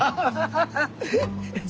ハハハハハ。